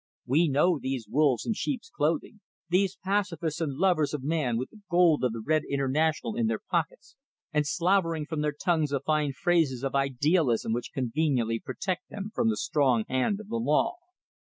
We know these wolves in sheeps' clothing, these pacifists and lovers of man with the gold of the Red International in their pockets, and slavering from their tongues the fine phrases of idealism which conveniently protect them from the strong hand of the law!